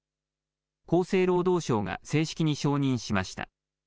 厚生労働省が正式に承認しました。